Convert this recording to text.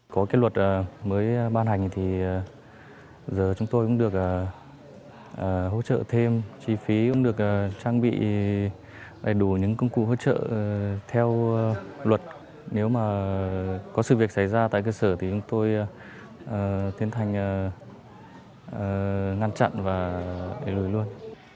có cái luật mới ban hành thì giờ chúng tôi cũng được hỗ trợ thêm chi phí cũng được trang bị đầy đủ những công cụ hỗ trợ theo luật nếu mà có sự việc xảy ra tại cơ sở thì chúng tôi tiến hành ngăn chặn và để lùi luôn